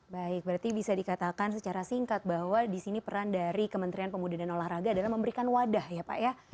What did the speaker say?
baik berarti bisa dikatakan secara singkat bahwa di sini peran dari kementerian pemuda dan olahraga adalah memberikan wadah ya pak ya